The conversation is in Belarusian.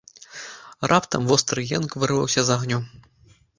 Раптам востры енк вырваўся з агню.